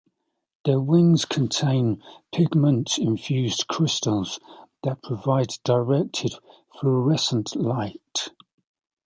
Their wings contain pigment-infused crystals that provide directed fluorescent light.